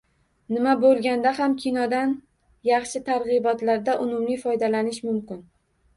Nima bo‘lganda ham kinodan yaxshi targ‘ibotlarda unumli foydalanish mumkin.